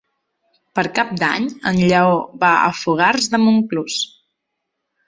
Per Cap d'Any en Lleó va a Fogars de Montclús.